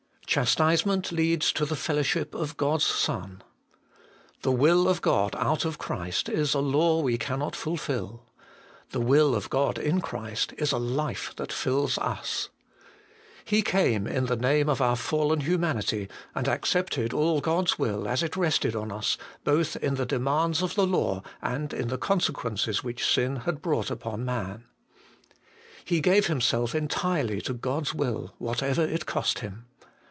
Chastisement leads to the fellowship of Gotfs Son. The will of God out of Christ is a law we cannot fulfil. The will of God in Christ is a life that fills us. He came in the name of our fallen humanity, and accepted all God's will as it rested on us, both in the demands of the law, and in the consequences which sin had brought upon man. He gave Him self entirely to God's will, whatever it cost Him.